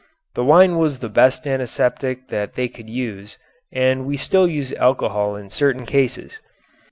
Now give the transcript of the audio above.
The wine was the best antiseptic that they could use and we still use alcohol in certain cases.